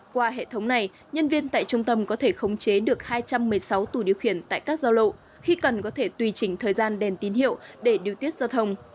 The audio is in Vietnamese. qua hệ thống này nhân viên tại trung tâm có thể khống chế được hai trăm một mươi sáu tù điều khiển tại các giao lộ khi cần có thể tùy chỉnh thời gian đèn tín hiệu để điều tiết giao thông